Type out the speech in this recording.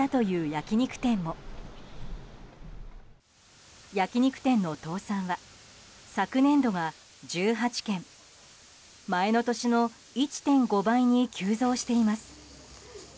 焼き肉店の倒産は昨年度は１８件前の年の１．５倍に急増しています。